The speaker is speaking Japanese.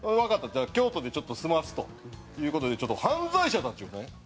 じゃあ京都でちょっと済ますという事でちょっと犯罪者たちをね